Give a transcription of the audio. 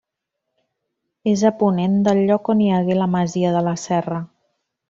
És a ponent del lloc on hi hagué la masia de la Serra.